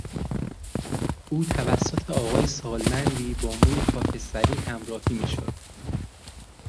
او توسط آقای سالمندی با موی خاکستری همراهی میشد.